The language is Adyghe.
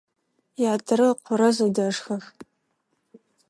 Ятэрэ ыкъорэ зэдэшхэх.